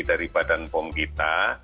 dari badan pom kita